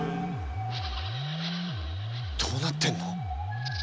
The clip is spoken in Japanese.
どうなってんの？